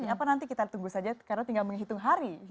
apa nanti kita tunggu saja karena tinggal menghitung hari